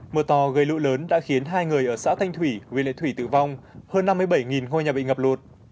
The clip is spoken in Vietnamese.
mưa to gây lũ lớn đã khiến hai người ở xã thanh thủy huyện lệ thủy tử vong hơn năm mươi bảy ngôi nhà bị ngập lụt